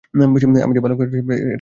আমি যে ভালুক হয়ে উঠেছি তার একটা অংশ।